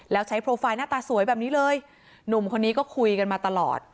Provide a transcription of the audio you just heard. แล้วใช้โปรไฟล์หน้าตาสวยแบบนี้เลยหนุ่มคนนี้ก็คุยกันมาตลอด